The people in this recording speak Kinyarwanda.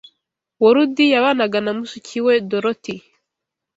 Worudi yabanaga na mushiki we Doroti